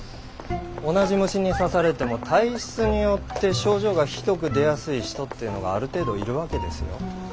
同じ虫に刺されても体質によって症状がひどく出やすい人っていうのがある程度いるわけですよ。